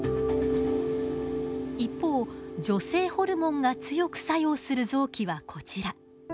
一方女性ホルモンが強く作用する臓器はこちら。